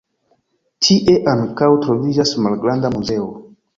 Tie ankaŭ troviĝas malgranda muzeo.